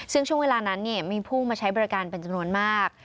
ซึ่งช่วงเวลานั้นมีผู้มาใช้บริการเป็นจำนวนมาก